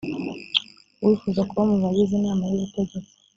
uwifuza kuba mu bagize inama y ubutegetsi